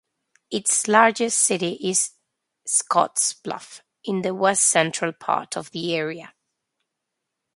Its largest city is Scottsbluff, in the west-central part of the area.